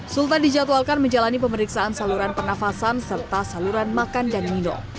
sultan dijadwalkan menjalani pemeriksaan saluran pernafasan serta saluran makan dan minum